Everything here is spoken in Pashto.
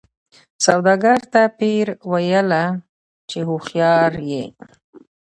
سوداګر ته پیر ویله چي هوښیار یې